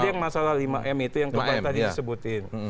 ada yang masalah lima m itu yang tadi disebutin